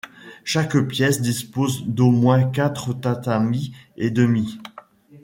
Chaque pièce dispose d'au moins quatre tatamis et demi.